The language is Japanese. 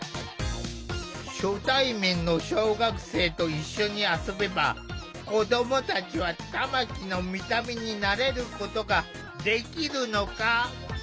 初対面の小学生と一緒に遊べば子どもたちは玉木の見た目に慣れることができるのか？